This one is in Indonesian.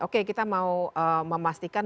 oke kita mau memastikan